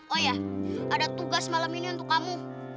oh ya ada tugas malam ini untuk kamu